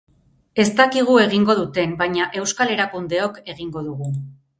Ez dakigu egingo duten, baina euskal erakundeok egingo dugu.